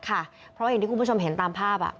เพราะอย่างที่คุณผู้ชมเห็นตามภาพ